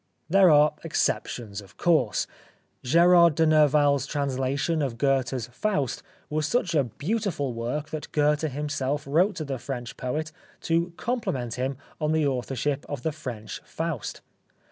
There are exceptions of course. Gerard de Nerval's translation of Goethe's " Faust " was such a beautiful work that Goethe himself wrote to the French poet to compliment him on the authorship of the French " Faust."